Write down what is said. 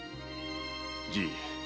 じい。